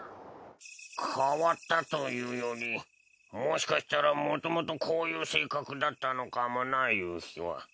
変わったというよりもしかしたらもともとこういう性格だったのかもな夕日は。